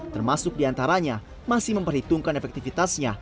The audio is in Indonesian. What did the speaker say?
termasuk diantaranya masih memperhitungkan efektivitasnya